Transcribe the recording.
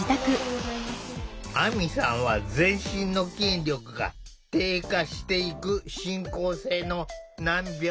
あみさんは全身の筋力が低下していく進行性の難病。